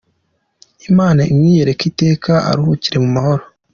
Imana imwiyereke iteka aruhukire mu mahoro.